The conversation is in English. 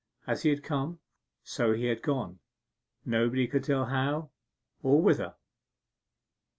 As he had come, so he had gone, nobody could tell how or whither.